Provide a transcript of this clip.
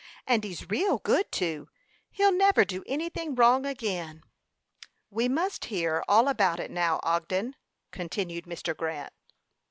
"And he's real good, too. He'll never do anything wrong again." "We must hear all about it now, Ogden," continued Mr. Grant.